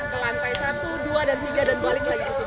ke lantai satu dua dan tiga dan balik lagi ke sini